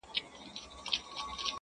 او که يې اخلې نو آدم اوحوا ولي دوه وه؛